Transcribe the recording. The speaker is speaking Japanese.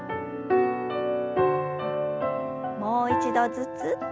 もう一度ずつ。